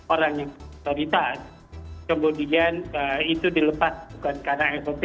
orang yang otoritas kemudian itu dilepas bukan karena sop